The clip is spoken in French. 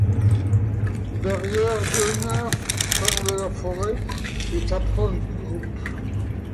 Derrière, deux nymphes sortent de la forêt et s'approchent du groupe.